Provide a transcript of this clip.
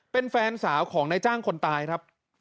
เป็นแฟนสาวของนายจ้างคนตายครับ